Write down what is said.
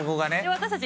私たち